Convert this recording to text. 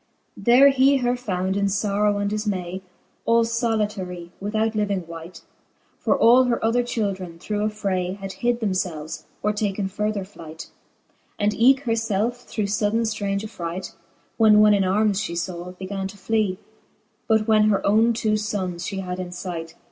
XIX. There he her found in Ibrrow and difmay. All iblitarie without living wight ; For all her other children, through affray, Had hid thernfelves, or taken further flight ; And eke her felfe through fuddcn Arrange affright, When one in armes fhe law, began to fly; But when her owne two fonnes fhe had in fight.